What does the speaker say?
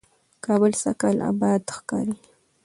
کابل سږکال آباد ښکاري،